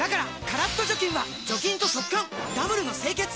カラッと除菌は除菌と速乾ダブルの清潔！